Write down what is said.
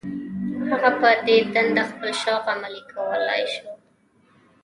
هغه په دې دنده خپل شوق عملي کولای شو.